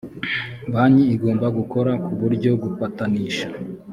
banki igomba gukora ku buryo gupatanisha